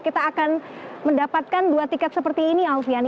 kita akan mendapatkan dua tiket seperti ini alfian